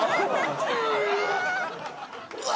うわ！